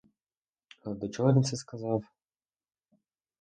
Але до чого це він сказав?